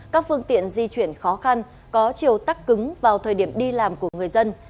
các phương tiện di chuyển khó khăn có chiều tắc cứng vào thời điểm đi làm của người dân